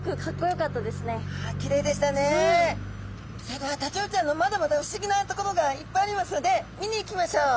それではタチウオちゃんのまだまだ不思議なところがいっぱいありますので見に行きましょう。